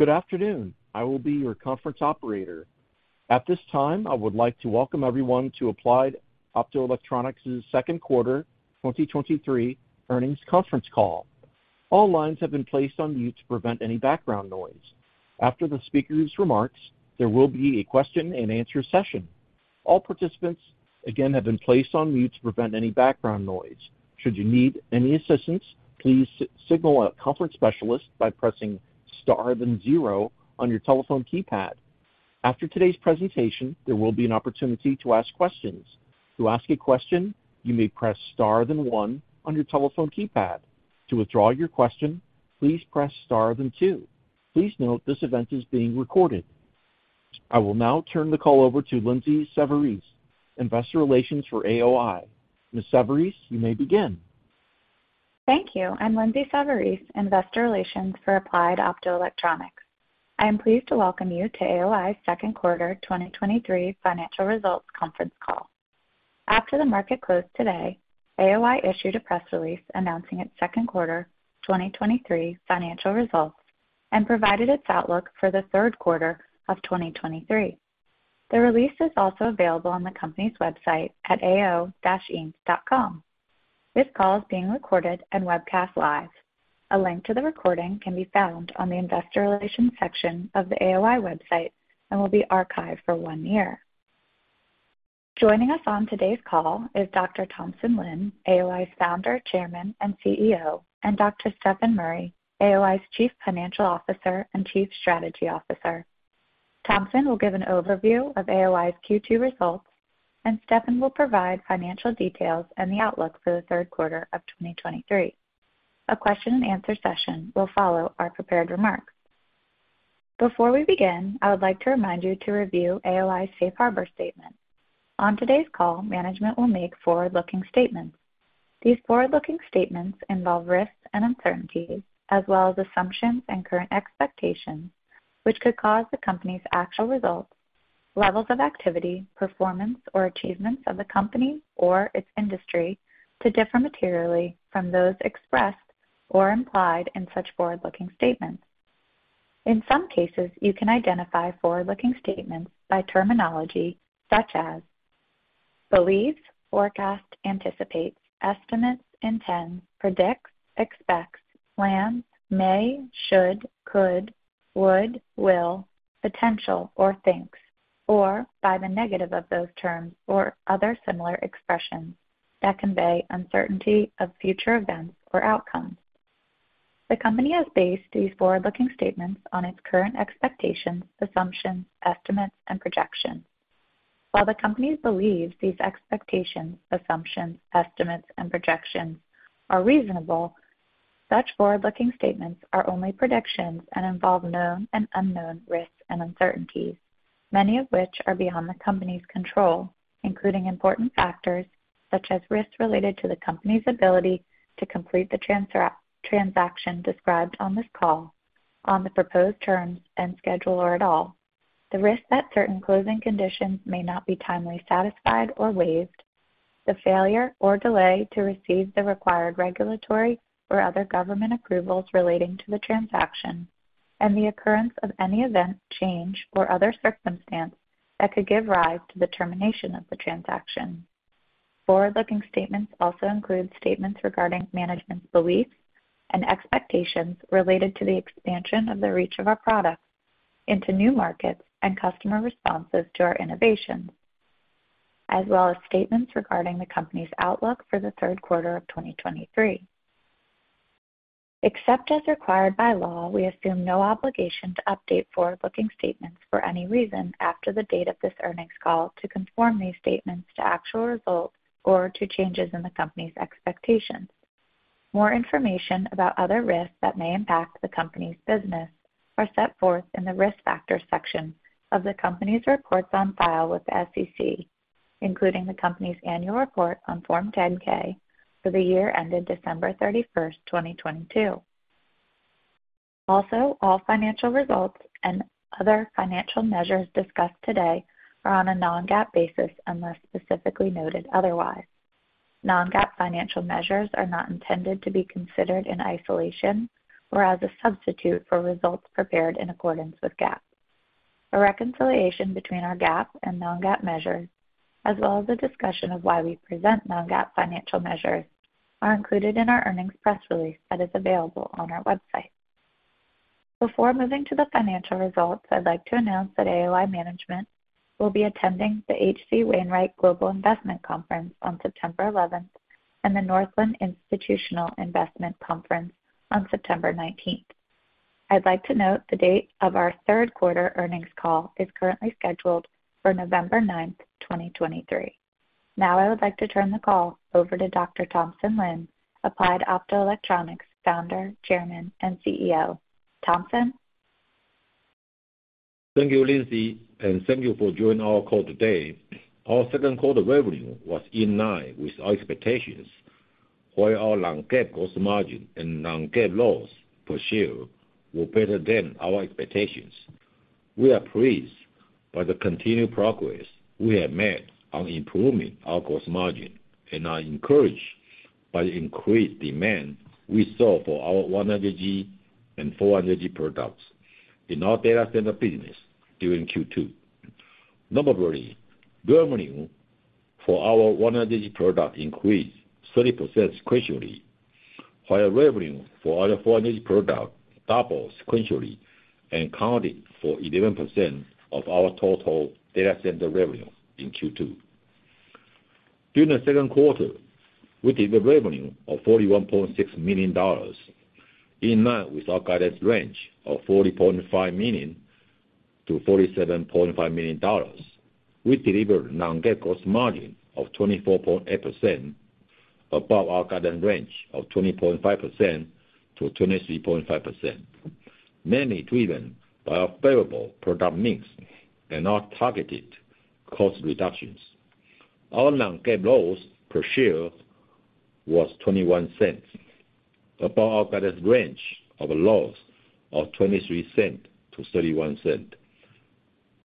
Good afternoon. I will be your conference operator. At this time, I would like to welcome everyone to Applied Optoelectronics' second quarter 2023 earnings conference call. All lines have been placed on mute to prevent any background noise. After the speaker's remarks, there will be a question-and-answer session. All participants, again, have been placed on mute to prevent any background noise. Should you need any assistance, please signal a conference specialist by pressing Star then zero on your telephone keypad. After today's presentation, there will be an opportunity to ask questions. To ask a question, you may press Star then one on your telephone keypad. To withdraw your question, please press Star then two. Please note, this event is being recorded. I will now turn the call over to Lindsay Savarese, Investor Relations for AOI. Ms. Savarese, you may begin. Thank you. I'm Lindsay Savarese, Investor Relations for Applied Optoelectronics. I am pleased to welcome you to AOI's second quarter 2023 financial results conference call. After the market closed today, AOI issued a press release announcing its second quarter 2023 financial results and provided its outlook for the third quarter of 2023. The release is also available on the company's website at ao-inc.com. This call is being recorded and webcast live. A link to the recording can be found on the Investor Relations section of the AOI website and will be archived for one year. Joining us on today's call is Dr. Thompson Lin, AOI's Founder, Chairman and CEO, and Dr. Stefan Murry, AOI's Chief Financial Officer and Chief Strategy Officer. Thompson will give an overview of AOI's Q2 results, and Stefan will provide financial details and the outlook for the third quarter of 2023. A question-and-answer session will follow our prepared remarks. Before we begin, I would like to remind you to review AOI's Safe Harbor statement. On today's call, management will make forward-looking statements. These forward-looking statements involve risks and uncertainties, as well as assumptions and current expectations, which could cause the company's actual results, levels of activity, performance, or achievements of the company or its industry to differ materially from those expressed or implied in such forward-looking statements. In some cases, you can identify forward-looking statements by terminology such as believes, forecast, anticipates, estimates, intends, predicts, expects, plans, may, should, could, would, will, potential, or thinks, or by the negative of those terms or other similar expressions that convey uncertainty of future events or outcomes. The company has based these forward-looking statements on its current expectations, assumptions, estimates, and projections. While the company believes these expectations, assumptions, estimates, and projections are reasonable, such forward-looking statements are only predictions and involve known and unknown risks and uncertainties, many of which are beyond the company's control, including important factors such as risks related to the company's ability to complete the transaction described on this call on the proposed terms and schedule or at all, the risk that certain closing conditions may not be timely satisfied or waived, the failure or delay to receive the required regulatory or other government approvals relating to the transaction, and the occurrence of any event, change, or other circumstance that could give rise to the termination of the transaction. Forward-looking statements also include statements regarding management's beliefs and expectations related to the expansion of the reach of our products into new markets and customer responses to our innovations, as well as statements regarding the company's outlook for the third quarter of 2023. Except as required by law, we assume no obligation to update forward-looking statements for any reason after the date of this earnings call to conform these statements to actual results or to changes in the company's expectations. More information about other risks that may impact the company's business are set forth in the Risk Factors section of the company's reports on file with the SEC, including the company's Annual Report on Form 10-K for the year ended December 31, 2022. Also, all financial results and other financial measures discussed today are on a non-GAAP basis, unless specifically noted otherwise. Non-GAAP financial measures are not intended to be considered in isolation or as a substitute for results prepared in accordance with GAAP. A reconciliation between our GAAP and non-GAAP measures, as well as a discussion of why we present non-GAAP financial measures, are included in our earnings press release that is available on our website. Before moving to the financial results, I'd like to announce that AOI management will be attending the H.C. Wainwright Global Investment Conference on September eleventh and the Northland Institutional Investor Conference on September nineteenth. I'd like to note the date of our third quarter earnings call is currently scheduled for November ninth, 2023. Now I would like to turn the call over to Dr. Thompson Lin, Applied Optoelectronics Founder, Chairman, and CEO. Thompson? Thank you, Lindsay, and thank you for joining our call today. Our second quarter revenue was in line with our expectations, while our non-GAAP gross margin and non-GAAP loss per share were better than our expectations.... We are pleased by the continued progress we have made on improving our gross margin, and are encouraged by the increased demand we saw for our 100G and 400G products in our data center business during Q2. Notably, revenue for our 100G product increased 30% sequentially, while revenue for our 400G product doubled sequentially and accounted for 11% of our total data center revenue in Q2. During the second quarter, we did a revenue of $41.6 million, in line with our guidance range of $40.5 million to $47.5 million. We delivered non-GAAP gross margin of 24.8%, above our guidance range of 20.5% to 23.5%, mainly driven by our favorable product mix and our targeted cost reductions. Our non-GAAP loss per share was $0.21, above our guidance range of a loss of $0.23 to $0.31.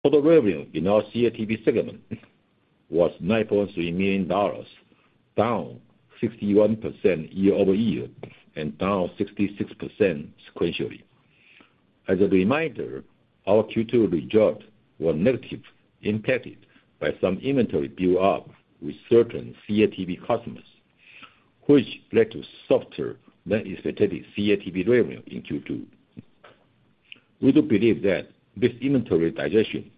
Total revenue in our CATV segment was $9.3 million, down 61% year-over-year and down 66% sequentially. As a reminder, our Q2 results were negatively impacted by some inventory build-up with certain CATV customers, which led to softer than expected CATV revenue in Q2. We do believe that this inventory digestion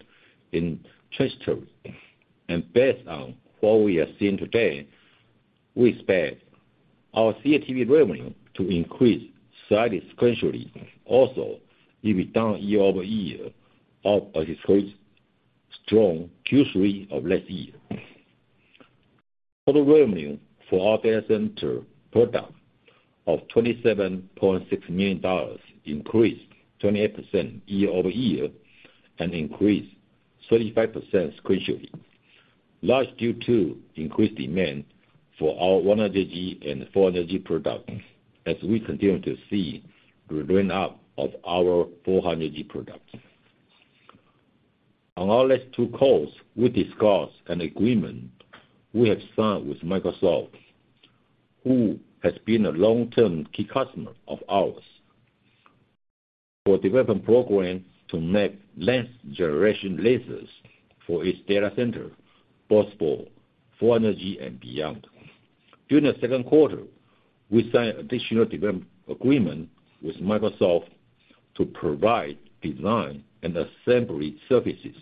in transition, based on what we are seeing today, we expect our CATV revenue to increase slightly sequentially. It is down year-over-year off a historically strong Q3 of last year. Total revenue for our data center product of $27.6 million increased 28% year-over-year and increased 35% sequentially, large due to increased demand for our 100G and 400G products, as we continue to see the ramp-up of our 400G products. On our last two calls, we discussed an agreement we have signed with Microsoft, who has been a long-term key customer of ours, for a development program to make next-generation lasers for its data center possible, 400G and beyond. During the second quarter, we signed additional development agreement with Microsoft to provide design and assembly services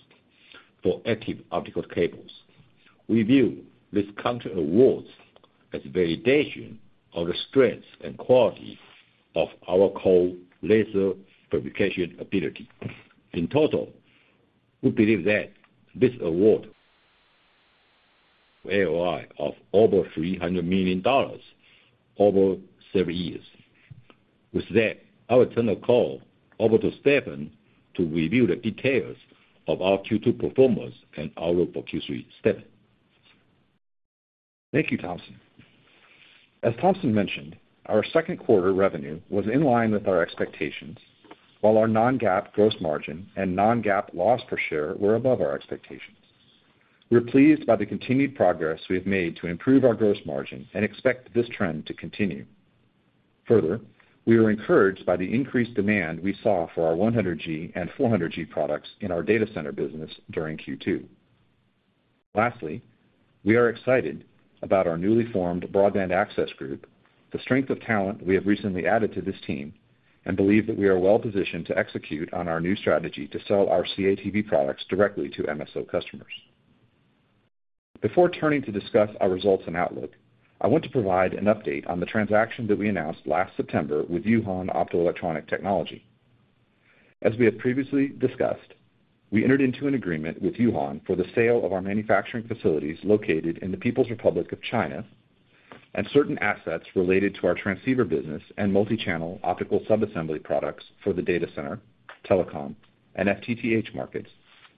for active optical cables. We view this contract award as validation of the strength and quality of our core laser fabrication ability. In total, we believe that this award of over $300 million over several years. With that, I will turn the call over to Stefan to review the details of our Q2 performance and outlook for Q3. Stefan? Thank you, Thompson. As Thompson mentioned, our second quarter revenue was in line with our expectations, while our non-GAAP gross margin and non-GAAP loss per share were above our expectations. We're pleased by the continued progress we have made to improve our gross margin and expect this trend to continue. Further, we were encouraged by the increased demand we saw for our 100G and 400G products in our data center business during Q2. Lastly, we are excited about our newly formed broadband access group, the strength of talent we have recently added to this team, and believe that we are well positioned to execute on our new strategy to sell our CATV products directly to MSO customers. Before turning to discuss our results and outlook, I want to provide an update on the transaction that we announced last September with Yuhan Optoelectronic Technology. As we have previously discussed, we entered into an agreement with Yuhan for the sale of our manufacturing facilities located in the People's Republic of China, and certain assets related to our transceiver business and multi-channel optical sub-assembly products for the data center, telecom, and FTTH markets,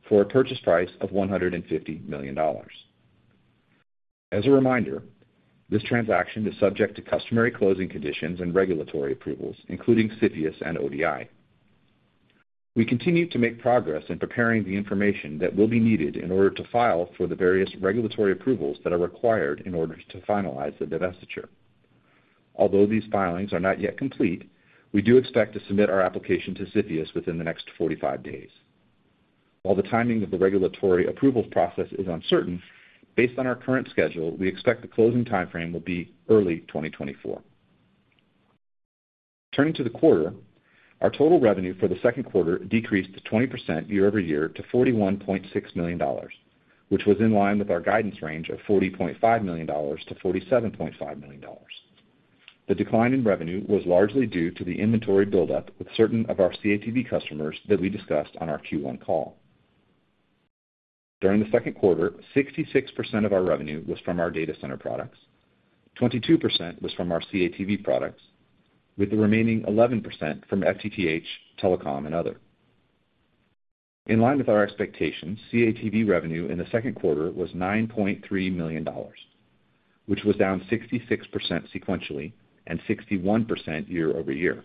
for a purchase price of $150 million. As a reminder, this transaction is subject to customary closing conditions and regulatory approvals, including CFIUS and ODNI. We continue to make progress in preparing the information that will be needed in order to file for the various regulatory approvals that are required in order to finalize the divestiture. Although these filings are not yet complete, we do expect to submit our application to CFIUS within the next 45 days. While the timing of the regulatory approvals process is uncertain, based on our current schedule, we expect the closing timeframe will be early 2024. Turning to the quarter, our total revenue for the second quarter decreased 20% year-over-year to $41.6 million, which was in line with our guidance range of $40.5 million to $47.5 million. The decline in revenue was largely due to the inventory buildup with certain of our CATV customers that we discussed on our Q1 call. During the second quarter, 66% of our revenue was from our data center products, 22% was from our CATV products, with the remaining 11% from FTTH, telecom, and other. In line with our expectations, CATV revenue in the second quarter was $9.3 million. which was down 66% sequentially and 61% year-over-year.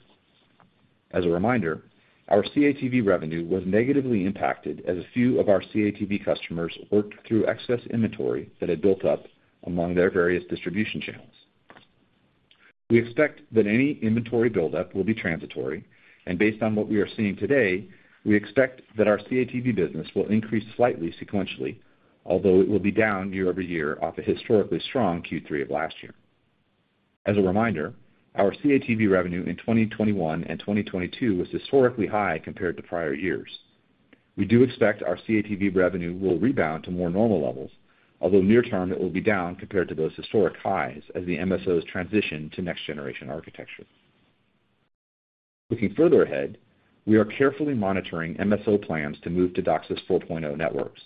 As a reminder, our CATV revenue was negatively impacted as a few of our CATV customers worked through excess inventory that had built up among their various distribution channels. We expect that any inventory buildup will be transitory, and based on what we are seeing today, we expect that our CATV business will increase slightly sequentially, although it will be down year-over-year off a historically strong Q3 of last year. As a reminder, our CATV revenue in 2021 and 2022 was historically high compared to prior years. We do expect our CATV revenue will rebound to more normal levels, although near term, it will be down compared to those historic highs as the MSOs transition to next-generation architecture. Looking further ahead, we are carefully monitoring MSO plans to move to DOCSIS 4.0 networks.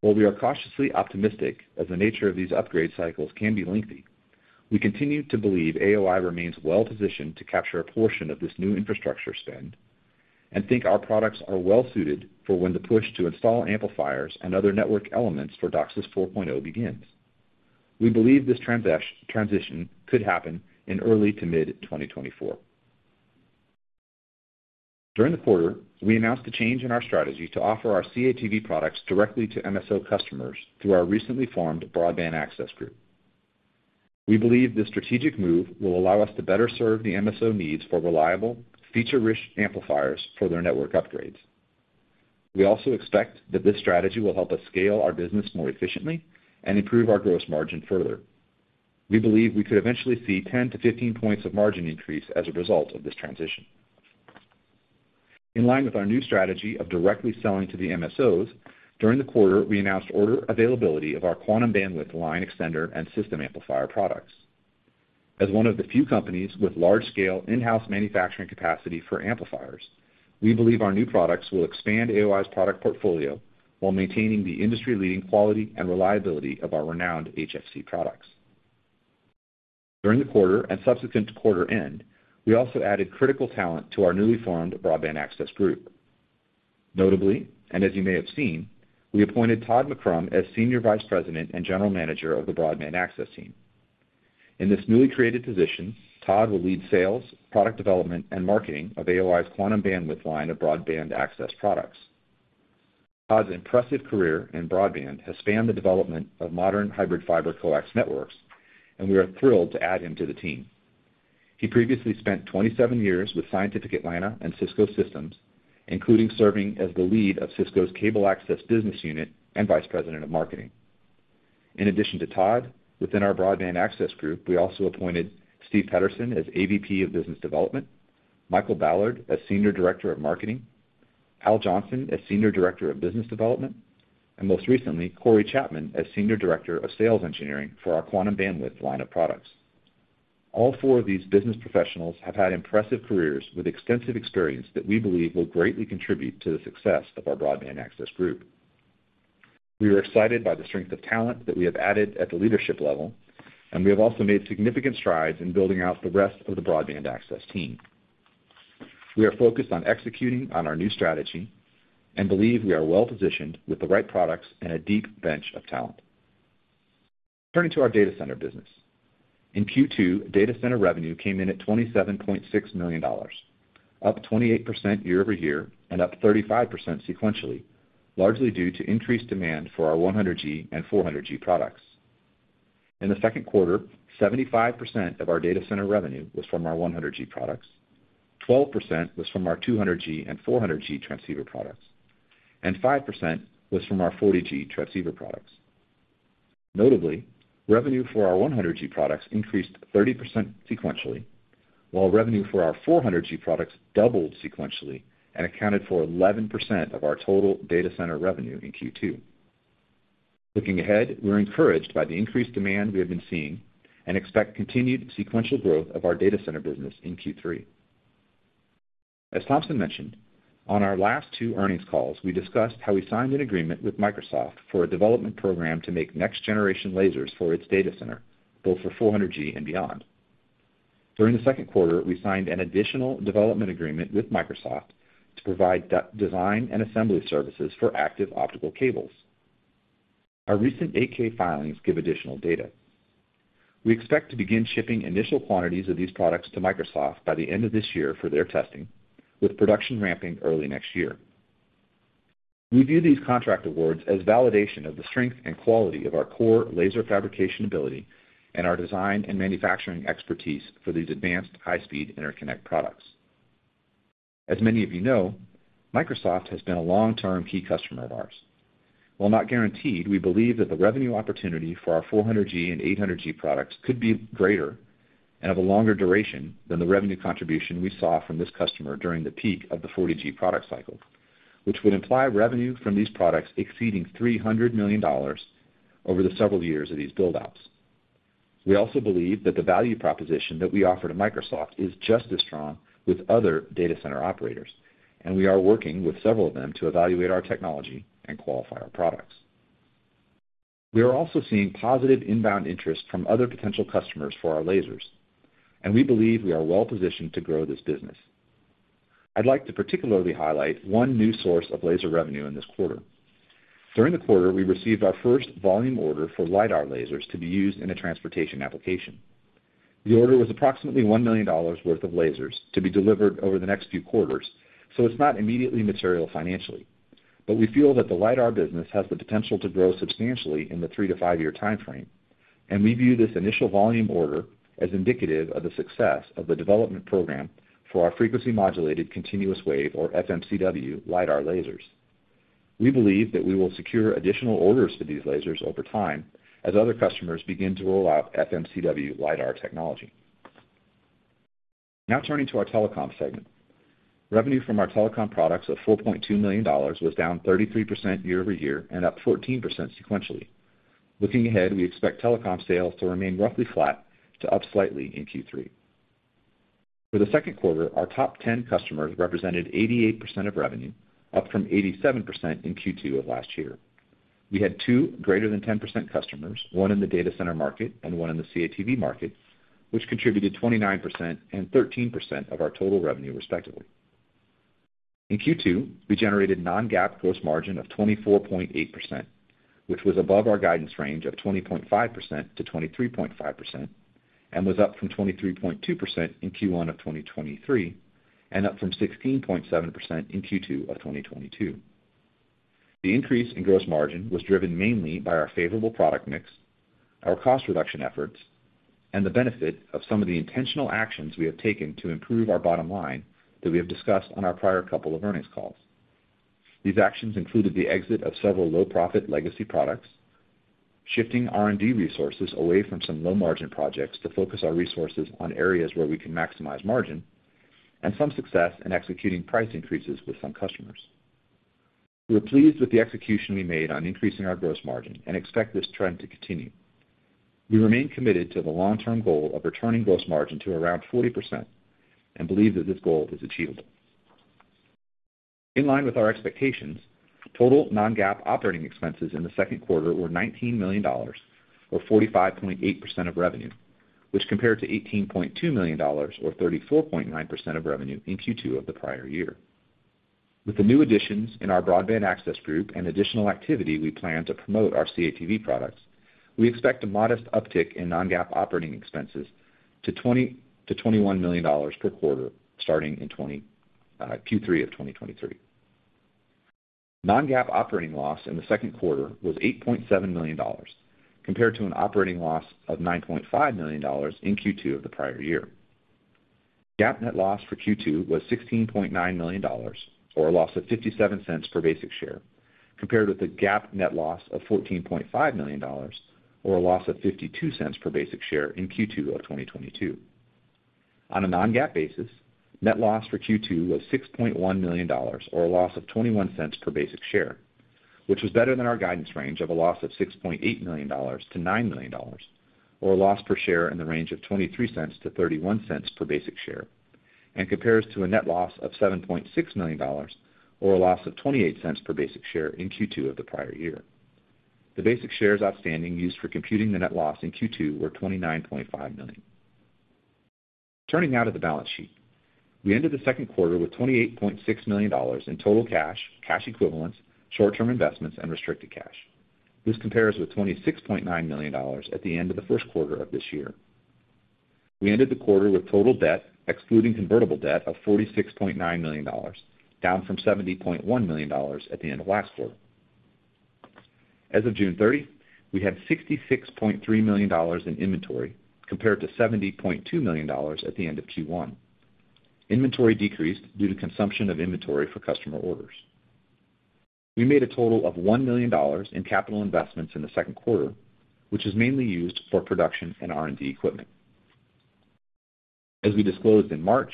While we are cautiously optimistic as the nature of these upgrade cycles can be lengthy, we continue to believe AOI remains well-positioned to capture a portion of this new infrastructure spend, and think our products are well suited for when the push to install amplifiers and other network elements for DOCSIS 4.0 begins. We believe this transition could happen in early to mid 2024. During the quarter, we announced a change in our strategy to offer our CATV products directly to MSO customers through our recently formed broadband access group. We believe this strategic move will allow us to better serve the MSO needs for reliable, feature-rich amplifiers for their network upgrades. We also expect that this strategy will help us scale our business more efficiently and improve our gross margin further. We believe we could eventually see 10-15 points of margin increase as a result of this transition. In line with our new strategy of directly selling to the MSOs, during the quarter, we announced order availability of our Quantum Bandwidth line extender and system amplifier products. As one of the few companies with large-scale, in-house manufacturing capacity for amplifiers, we believe our new products will expand AOI's product portfolio while maintaining the industry-leading quality and reliability of our renowned HFC products. During the quarter and subsequent to quarter end, we also added critical talent to our newly formed broadband access group. Notably, and as you may have seen, we appointed Todd McCrum as Senior Vice President and General Manager of the Broadband Access team. In this newly created position, Todd will lead sales, product development, and marketing of AOI's Quantum Bandwidth line of broadband access products. Todd's impressive career in broadband has spanned the development of modern hybrid fiber coax networks, and we are thrilled to add him to the team. He previously spent 27 years with Scientific Atlanta and Cisco Systems, including serving as the lead of Cisco's Cable Access Business Unit and Vice President of Marketing. In addition to Todd, within our Broadband Access Group, we also appointed Steve Pedersen as AVP of Business Development, Michael Ballard as Senior Director of Marketing, Hal Johnson as Senior Director of Business Development, and most recently, Corey Chapman as Senior Director of Sales Engineering for our Quantum Bandwidth line of products. All four of these business professionals have had impressive careers with extensive experience that we believe will greatly contribute to the success of our Broadband Access Group. We are excited by the strength of talent that we have added at the leadership level. We have also made significant strides in building out the rest of the broadband access team. We are focused on executing on our new strategy and believe we are well-positioned with the right products and a deep bench of talent. Turning to our data center business. In Q2, data center revenue came in at $27.6 million, up 28% year-over-year and up 35% sequentially, largely due to increased demand for our 100G and 400G products. In the second quarter, 75% of our data center revenue was from our 100G products, 12% was from our 200G and 400G transceiver products, and 5% was from our 40G transceiver products. Notably, revenue for our 100G products increased 30% sequentially, while revenue for our 400G products doubled sequentially and accounted for 11% of our total data center revenue in Q2. Looking ahead, we're encouraged by the increased demand we have been seeing and expect continued sequential growth of our data center business in Q3. As Thompson mentioned, on our last 2 earnings calls, we discussed how we signed an agreement with Microsoft for a development program to make next-generation lasers for its data center, both for 400G and beyond. During the second quarter, we signed an additional development agreement with Microsoft to provide design and assembly services for active optical cables. Our recent 8 K filings give additional data. We expect to begin shipping initial quantities of these products to Microsoft by the end of this year for their testing, with production ramping early next year. We view these contract awards as validation of the strength and quality of our core laser fabrication ability and our design and manufacturing expertise for these advanced high-speed interconnect products. As many of you know, Microsoft has been a long-term key customer of ours. While not guaranteed, we believe that the revenue opportunity for our 400G and 800G products could be greater and have a longer duration than the revenue contribution we saw from this customer during the peak of the 40G product cycle, which would imply revenue from these products exceeding $300 million over the several years of these build-outs. We also believe that the value proposition that we offer to Microsoft is just as strong with other data center operators, and we are working with several of them to evaluate our technology and qualify our products. We are also seeing positive inbound interest from other potential customers for our lasers, and we believe we are well positioned to grow this business.... I'd like to particularly highlight one new source of laser revenue in this quarter. During the quarter, we received our first volume order for LiDAR lasers to be used in a transportation application. The order was approximately $1 million worth of lasers to be delivered over the next few quarters, so it's not immediately material financially. We feel that the LiDAR business has the potential to grow substantially in the 3-5-year time frame, and we view this initial volume order as indicative of the success of the development program for our frequency modulated continuous wave, or FMCW, LiDAR lasers. We believe that we will secure additional orders for these lasers over time as other customers begin to roll out FMCW LiDAR technology. Turning to our Telecom segment. Revenue from our Telecom products of $4.2 million was down 33% year-over-year and up 14% sequentially. Looking ahead, we expect Telecom sales to remain roughly flat to up slightly in Q3. For the second quarter, our top 10 customers represented 88% of revenue, up from 87% in Q2 of last year. We had two greater than 10% customers, one in the data center market and one in the CATV market, which contributed 29% and 13% of our total revenue, respectively. In Q2, we generated non-GAAP gross margin of 24.8%, which was above our guidance range of 20.5%-23.5%, and was up from 23.2% in Q1 of 2023, and up from 16.7% in Q2 of 2022. The increase in gross margin was driven mainly by our favorable product mix, our cost reductions efforts, and the benefit of some of the intentional actions we have taken to improve our bottom line that we have discussed on our prior couple of earnings calls. These actions included the exit of several low-profit legacy products, shifting R&D resources away from some low-margin projects to focus our resources on areas where we can maximize margin, and some success in executing price increases with some customers. We're pleased with the execution we made on increasing our gross margin and expect this trend to continue. We remain committed to the long-term goal of returning gross margin to around 40% and believe that this goal is achievable. In line with our expectations, total non-GAAP operating expenses in the second quarter were $19 million, or 45.8% of revenue, which compared to $18.2 million or 34.9% of revenue in Q2 of the prior year. With the new additions in our broadband access group and additional activity we plan to promote our CATV products, we expect a modest uptick in non-GAAP operating expenses to $20 million-$21 million per quarter, starting in Q3 of 2023. Non-GAAP operating loss in the second quarter was $8.7 million, compared to an operating loss of $9.5 million in Q2 of the prior year. GAAP net loss for Q2 was $16.9 million, or a loss of $0.57 per basic share, compared with the GAAP net loss of $14.5 million, or a loss of $0.52 per basic share in Q2 of 2022. On a non-GAAP basis, net loss for Q2 was $6.1 million, or a loss of $0.21 per basic share, which was better than our guidance range of a loss of $6.8 million-$9 million, or a loss per share in the range of $0.23-$0.31 per basic share, and compares to a net loss of $7.6 million or a loss of $0.28 per basic share in Q2 of the prior year. The basic shares outstanding used for computing the net loss in Q2 were 29.5 million. Turning now to the balance sheet. We ended the second quarter with $28.6 million in total cash, cash equivalents, short-term investments, and restricted cash. This compares with $26.9 million at the end of the first quarter of this year. We ended the quarter with total debt, excluding convertible debt, of $46.9 million, down from $70.1 million at the end of last quarter. As of June 30, we had $66.3 million in inventory, compared to $70.2 million at the end of Q1. Inventory decreased due to consumption of inventory for customer orders. We made a total of $1 million in capital investments in the second quarter, which is mainly used for production and R&D equipment. As we disclosed in March,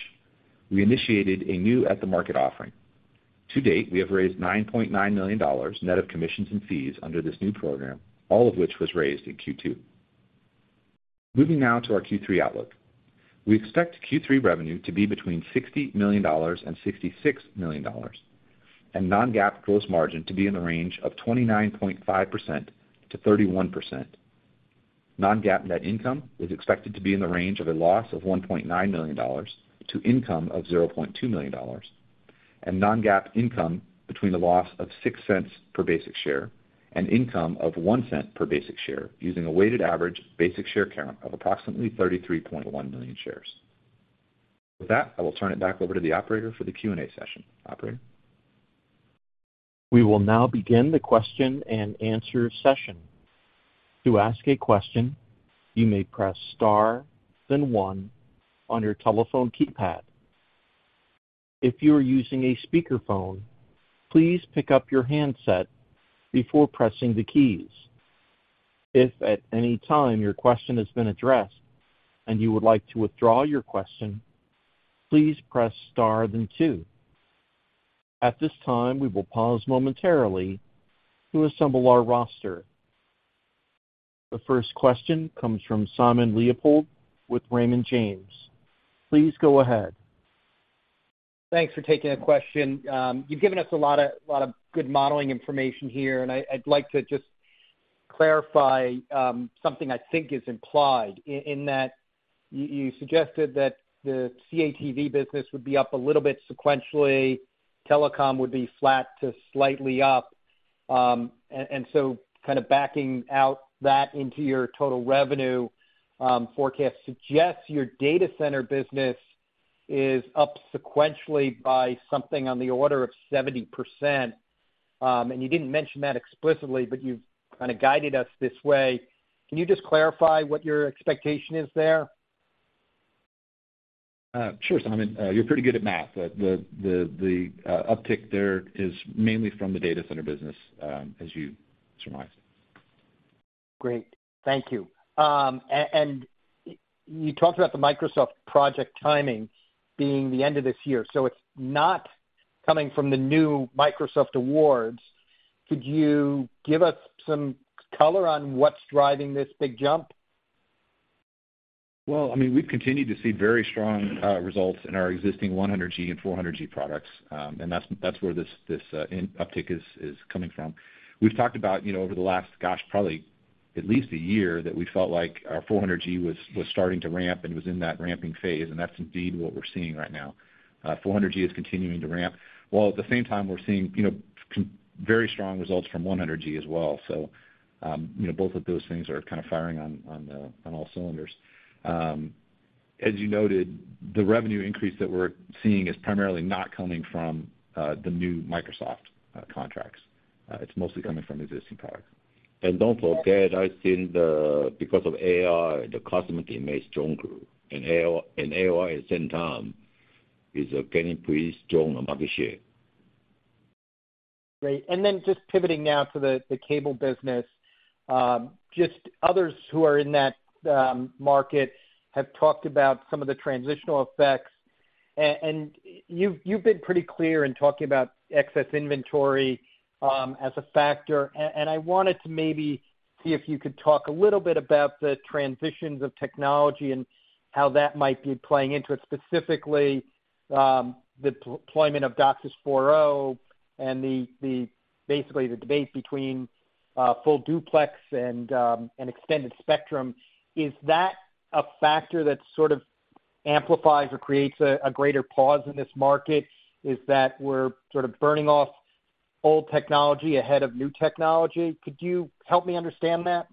we initiated a new at-the-market offering. To date, we have raised $9.9 million, net of commissions and fees, under this new program, all of which was raised in Q2. Moving now to our Q3 outlook. We expect Q3 revenue to be between $60 million and $66 million, and non-GAAP gross margin to be in the range of 29.5%-31%. Non-GAAP net income is expected to be in the range of a loss of $1.9 million to income of $0.2 million, and non-GAAP income between the loss of $0.06 per basic share and income of $0.01 per basic share, using a weighted average basic share count of approximately 33.1 million shares. With that, I will turn it back over to the operator for the Q&A session. Operator? We will now begin the question and answer session. To ask a question, you may press Star, then 1 on your telephone keypad. If you are using a speakerphone, please pick up your handset before pressing the keys. If at any time your question has been addressed and you would like to withdraw your question, please press Star, then 2. At this time, we will pause momentarily to assemble our roster. The first question comes from Simon Leopold with Raymond James. Please go ahead. Thanks for taking the question. You've given us a lot of, lot of good modeling information here, and I, I'd like to just clarify something I think is implied in that you suggested that the CATV business would be up a little bit sequentially. Telecom would be flat to slightly up. So kind of backing out that into your total revenue forecast suggests your data center business is up sequentially by something on the order of 70%. You didn't mention that explicitly, but you've kind of guided us this way. Can you just clarify what your expectation is there? Sure, Simon. You're pretty good at math. The uptick there is mainly from the data center business, as you surmised. Great, thank you. You talked about the Microsoft project timing being the end of this year, so it's not coming from the new Microsoft awards. Could you give us some color on what's driving this big jump? Well, I mean, we've continued to see very strong results in our existing 100G and 400G products. That's, that's where this, this uptick is, is coming from. We've talked about, you know, over the last, gosh, probably at least a year, that we felt like our 400G was, was starting to ramp and was in that ramping phase, and that's indeed what we're seeing right now. 400G is continuing to ramp, while at the same time we're seeing, you know, very strong results from 100G as well. You know, both of those things are kind of firing on, on the, on all cylinders. As you noted, the revenue increase that we're seeing is primarily not coming from the new Microsoft contracts. It's mostly coming from existing products. Don't forget, I think the, because of AI, the customer demand is stronger, and AI, and AI, at the same time, is gaining pretty strong market share. Great. Just pivoting now to the, the cable business. Just others who are in that market have talked about some of the transitional effects. You've, you've been pretty clear in talking about excess inventory as a factor. I wanted to maybe see if you could talk a little bit about the transitions of technology and how that might be playing into it, specifically, the deployment of DOCSIS 4.0, and the, the basically, the debate between full duplex and extended spectrum. Is that a factor that sort of amplifies or creates a, a greater pause in this market, is that we're sort of burning off old technology ahead of new technology? Could you help me understand that?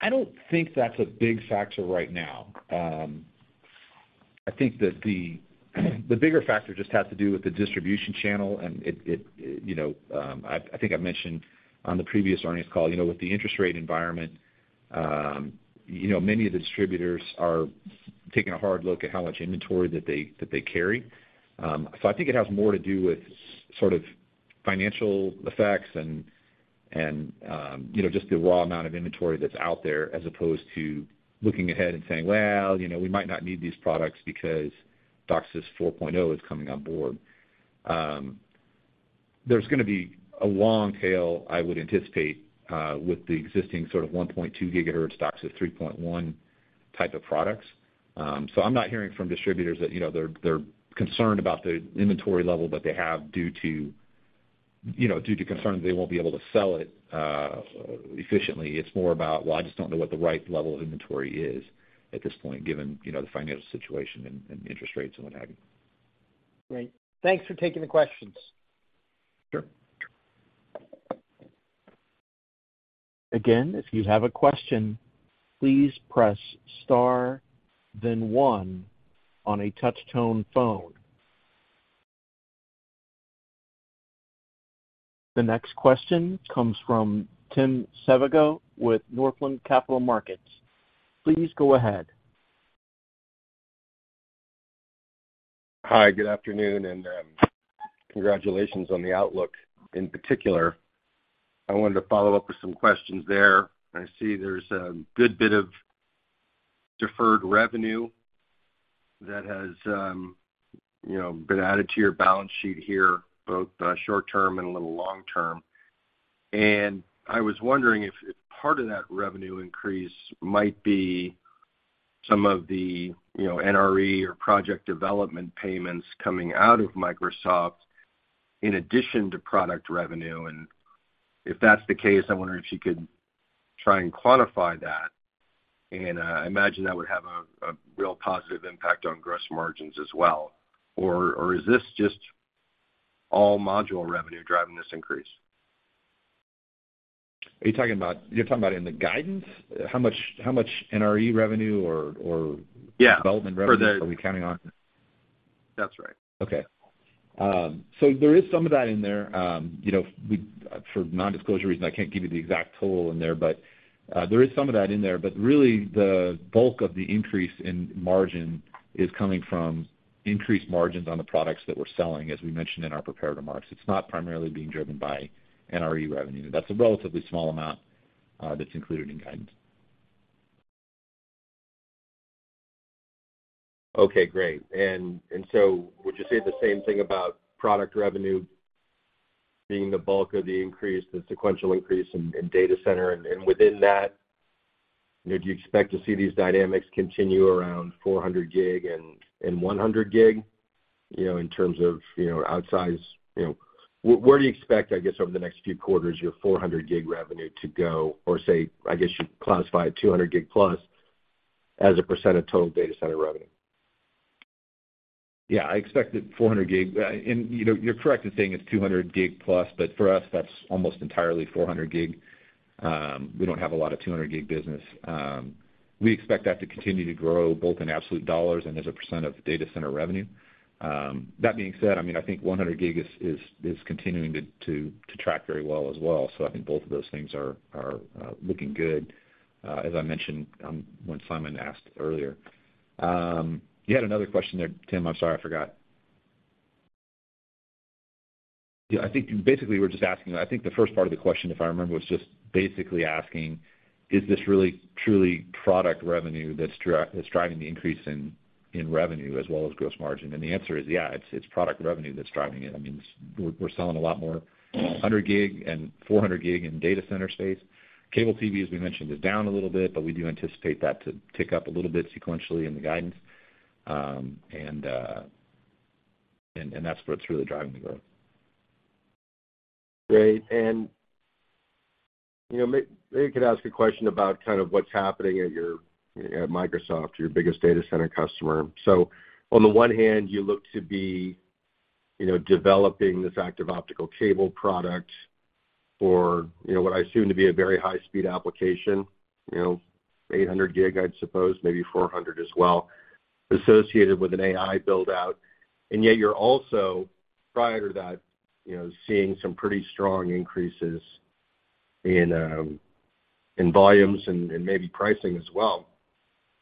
I don't think that's a big factor right now. I think that the bigger factor just has to do with the distribution channel, and it, it, you know, I think I mentioned on the previous earnings call, you know, with the interest rate environment, you know, many of the distributors are taking a hard look at how much inventory that they carry. I think it has more to do with sort of financial effects and, you know, just the raw amount of inventory that's out there, as opposed to looking ahead and saying, "Well, you know, we might not need these products because DOCSIS 4.0 is coming on board." There's gonna be a long tail, I would anticipate, with the existing sort of 1.2 gigahertz DOCSIS 3.1 type of products. I'm not hearing from distributors that, you know, they're, they're concerned about the inventory level that they have due to, you know, due to concerns they won't be able to sell it efficiently. It's more about, Well, I just don't know what the right level of inventory is at this point, given, you know, the financial situation and, and interest rates and what have you. Great. Thanks for taking the questions. Sure. Again, if you have a question, please press star then one on a touch tone phone. The next question comes from Tim Savageaux with Northland Capital Markets. Please go ahead. Hi, good afternoon, and congratulations on the outlook. In particular, I wanted to follow up with some questions there. I see there's a good bit of deferred revenue that has, you know, been added to your balance sheet here, both short term and a little long term. I was wondering if, if part of that revenue increase might be some of the, you know, NRE or project development payments coming out of Microsoft in addition to product revenue. If that's the case, I wonder if you could try and quantify that. I imagine that would have a, a real positive impact on gross margins as well. Or, or is this just all module revenue driving this increase? you're talking about in the guidance? How much NRE revenue or- Yeah. development revenue are we counting on? That's right. Okay. There is some of that in there. You know, we, for nondisclosure reasons, I can't give you the exact total in there, but there is some of that in there. Really, the bulk of the increase in margin is coming from increased margins on the products that we're selling, as we mentioned in our prepared remarks. It's not primarily being driven by NRE revenue. That's a relatively small amount that's included in guidance. Okay, great. Would you say the same thing about product revenue being the bulk of the increase, the sequential increase in, in data center, and, and within that? Do you expect to see these dynamics continue around 400G and 100G, in terms of, outsize? Where do you expect, I guess, over the next few quarters, your 400G revenue to go, or say, I guess, you'd classify it 200G plus as a % of total data center revenue? Yeah, I expect that 400G, and, you know, you're correct in saying it's 200G plus, but for us, that's almost entirely 400G. We don't have a lot of 200G business. We expect that to continue to grow, both in absolute dollars and as a % of data center revenue. That being said, I mean, I think 100G is continuing to track very well as well, so I think both of those things are looking good, as I mentioned, when Simon asked earlier. You had another question there, Tim. I'm sorry, I forgot. Yeah, I think basically you were just asking. I think the first part of the question, if I remember, was just basically asking, is this really truly product revenue that's driving the increase in revenue as well as gross margin? The answer is, yeah, it's product revenue that's driving it. I mean, we're selling a lot more 100G and 400G in data center. CATV, as we mentioned, is down a little bit, but we do anticipate that to tick up a little bit sequentially in the guidance. That's what's really driving the growth. Great. You know, maybe I could ask a question about kind of what's happening at Microsoft, your biggest data center customer. On the one hand, you look to be, you know, developing this active optical cable product for, you know, what I assume to be a very high-speed application, you know, 800 gig, I'd suppose, maybe 400 as well, associated with an AI build-out. Yet you're also, prior to that, you know, seeing some pretty strong increases in volumes and, and maybe pricing as well,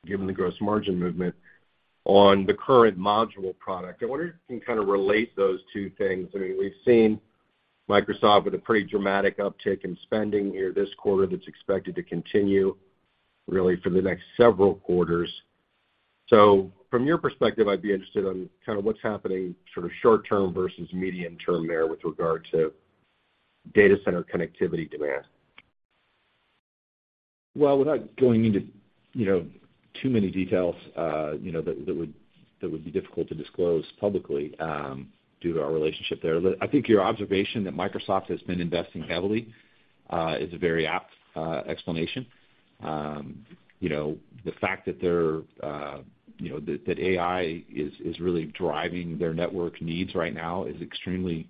given the gross margin movement on the current modular product. I wonder if you can kind of relate those two things. I mean, we've seen Microsoft with a pretty dramatic uptick in spending here this quarter that's expected to continue, really, for the next several quarters. From your perspective, I'd be interested on kind of what's happening sort of short term versus medium term there with regard to data center connectivity demand. Well, without going into, you know, too many details, you know, that, that would, that would be difficult to disclose publicly, due to our relationship there. I think your observation that Microsoft has been investing heavily, is a very apt explanation. You know, the fact that they're, you know, that, that AI is, is really driving their network needs right now is extremely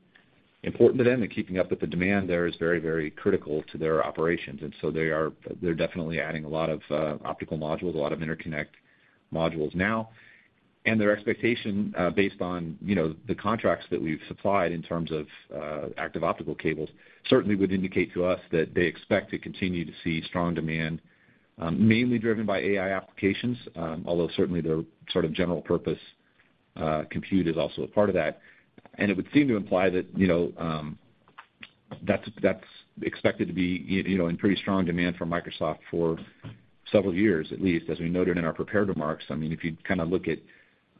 important to them, and keeping up with the demand there is very, very critical to their operations. They're definitely adding a lot of optical modules, a lot of interconnect modules now. Their expectation, based on, you know, the contracts that we've supplied in terms of, active optical cables, certainly would indicate to us that they expect to continue to see strong demand, mainly driven by AI applications, although certainly the sort of general purpose, compute is also a part of that. It would seem to imply that, you know, that's, that's expected to be, you know, in pretty strong demand from Microsoft for several years, at least. As we noted in our prepared remarks, I mean, if you kind of look at,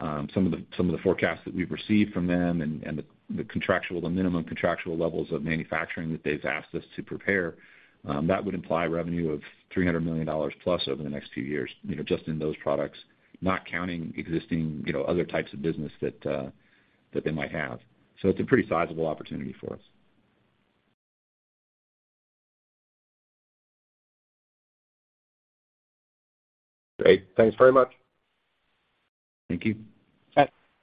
some of the, some of the forecasts that we've received from them and, and the, the contractual, the minimum contractual levels of manufacturing that they've asked us to prepare, that would imply revenue of $300 million plus over the next few years, you know, just in those products, not counting existing, you know, other types of business that, that they might have. It's a pretty sizable opportunity for us. Great. Thanks very much. Thank you.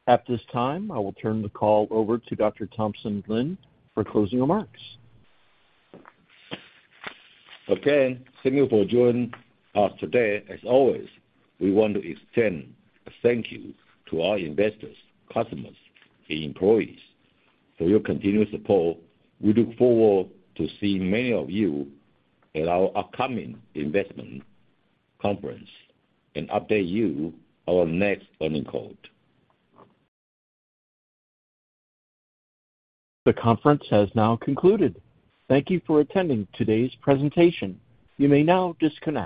At this time, I will turn the call over to Dr. Thompson Lin for closing remarks. Again, thank you for joining us today. As always, we want to extend a thank you to our investors, customers, and employees for your continued support. We look forward to seeing many of you at our upcoming investment conference and update you our next earnings call. The conference has now concluded. Thank you for attending today's presentation. You may now disconnect.